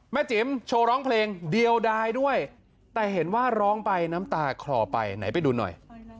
จิ๋มโชว์ร้องเพลงเดียวดายด้วยแต่เห็นว่าร้องไปน้ำตาคลอไปไหนไปดูหน่อย